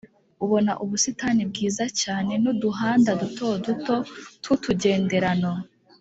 ubona ubusitani bwiza cyane n’uduhanda dutoduto tw’utugenderano